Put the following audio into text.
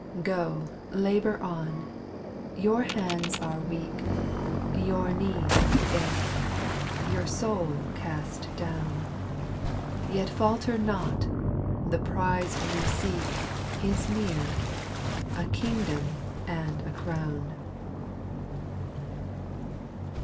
Go, labour on ; your hands are weak, Your knees are faint, your soul cast down ; Yet falter not ; the prize you seek, Is near, — a kingdom and a crown.